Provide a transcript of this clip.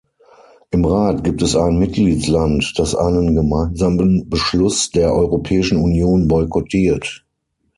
Im Rat gibt es ein Mitgliedsland, das einen gemeinsamen Beschluss der Europäischen Union boykottiert.